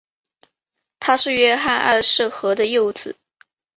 他是约翰二世和的幼子。